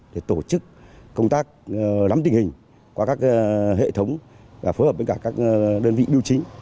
để tổ chức công tác lắm tình hình qua các hệ thống và phối hợp với các đơn vị điều trí